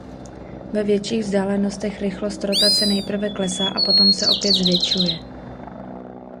Ve větších vzdálenostech rychlost rotace nejprve klesá a potom se opět zvětšuje.